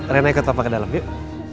rena ikut papa ke dalam yuk